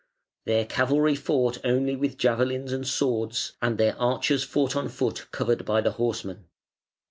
Their cavalry fought only with javelins and swords, and their archers fought on foot covered by the horsemen.